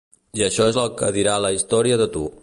I això és el que dirà la història de tu.